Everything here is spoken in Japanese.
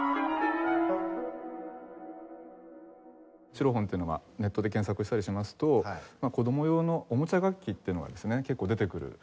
シロフォンっていうのはネットで検索したりしますと子ども用のおもちゃ楽器っていうのがですね結構出てくる。